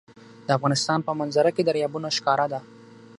د افغانستان په منظره کې دریابونه ښکاره ده.